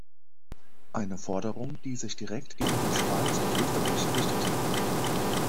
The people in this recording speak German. Eine Forderung, die sich direkt gegen die Schweiz und Österreich richtete.